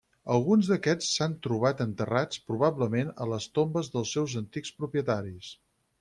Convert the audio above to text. Alguns d'aquests s'han trobat enterrats, probablement a les tombes dels seus antics propietaris.